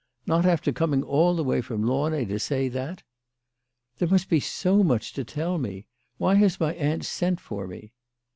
" Not after coming all the way from Launay to say that?" " There must be so much to tell me ? Why has my aunt sent for me?"